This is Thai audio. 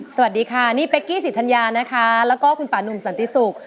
สวัสดีค่ะนี่เป๊กกี้สิทธัญญานะคะแล้วก็คุณป่านุ่มสันติศุกร์